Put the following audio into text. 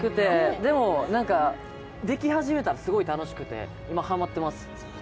でもできはじめたらすごい楽しくて、今はまっています。